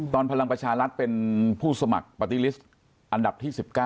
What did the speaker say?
พลังประชารัฐเป็นผู้สมัครปาร์ตี้ลิสต์อันดับที่๑๙